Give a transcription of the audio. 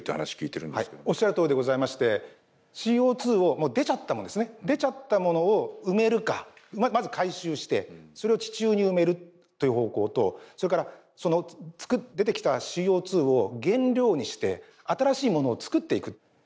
はいおっしゃるとおりでございましてＣＯをもう出ちゃったものですね出ちゃったものを埋めるかまず回収してそれを地中に埋めるという方向とそれからその出てきたＣＯを原料にして新しいものを作っていく。